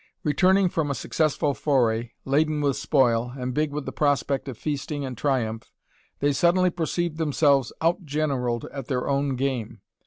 Returning from a successful foray, laden with spoil, and big with the prospect of feasting and triumph, they suddenly perceived themselves out generalled at their own game.